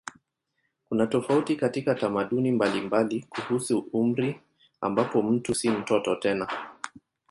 Kuna tofauti katika tamaduni mbalimbali kuhusu umri ambapo mtu si mtoto tena.